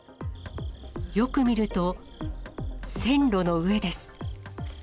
よく見ると、線路の上です。